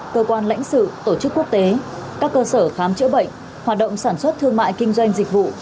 cơ quan lãnh sự tổ chức quốc tế các cơ sở khám chữa bệnh hoạt động sản xuất thương mại kinh doanh dịch vụ